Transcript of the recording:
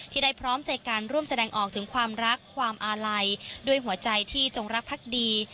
ได้พร้อมใจการร่วมแสดงออกถึงความรักความอาลัยด้วยหัวใจที่จงรักพักดี